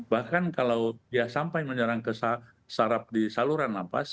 bahkan kalau dia sampai menyerang kesarap di saluran nafas